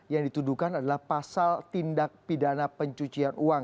yang dituduhkan adalah pasal tindak pidana pencucian uang